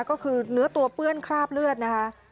ก็คือเนื้อตัวเปื้อนคราบเลือดนะคะ